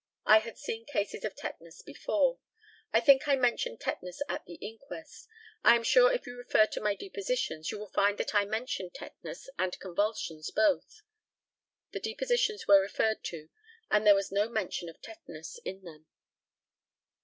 I had seen cases of tetanus before. I think I mentioned tetanus at the inquest. I am sure if you refer to my depositions, you will find that I mentioned tetanus and convulsions both. (The depositions were referred to, and there was no mention of tetanus in them.)